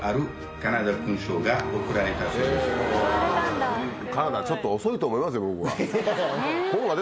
カナダ、ちょっと遅いと思いますよ、僕は。